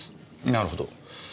なるほど。